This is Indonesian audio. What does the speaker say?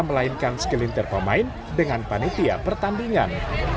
melainkan segelintir pemain dengan panitia pertandingan